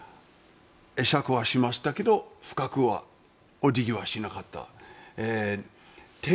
会釈はしましたけど深くはお辞儀しなかった。